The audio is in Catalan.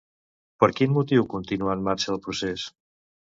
Per quin motiu continua en marxa el procés?